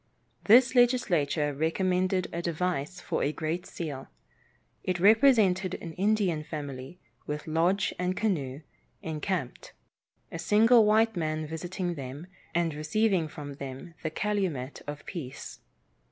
This legislature recommended a device for a great seal. It represented an Indian family with lodge and canoe, encamped; a single white man visiting them, and receiving from them the calumet of peace.